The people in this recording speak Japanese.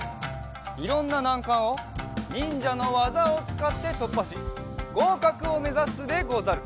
いろんななんかんをにんじゃのわざをつかってとっぱしごうかくをめざすでござる！